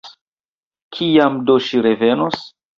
Kiam do ŝi revenos?